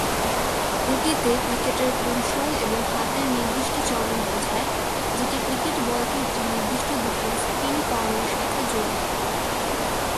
এটিতে ক্রিকেটের কৌশল এবং হাতের নির্দিষ্ট চলন বোঝায়, যেটি ক্রিকেট বলকে একটি নির্দিষ্ট দিকে স্পিন করানোর সাথে জড়িত।